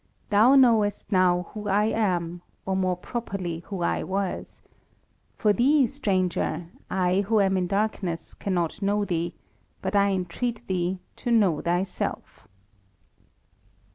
Thow knowest now who I am, Or more properly who I was. For thee, stranger, I who 3ni in darkness cannot know thee, but I entreat thee to "know thyself."